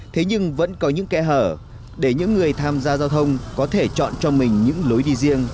thế nhưng vẫn có những kẽ hở để những người tham gia giao thông có thể chọn cho mình những lối đi riêng